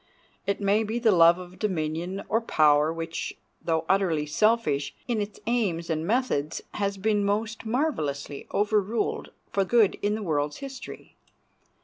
It may be the love of dominion or power which, though utterly selfish in its aims and methods, has been most marvelously overruled for good in the world's history.